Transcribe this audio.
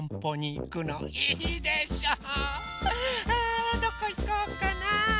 あどこいこうかな？